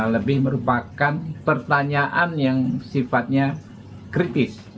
lebih merupakan pertanyaan yang sifatnya kritis